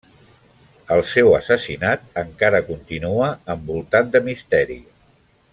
El seu assassinat encara continua envoltat de misteri.